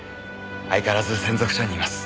相変わらず千束署にいます。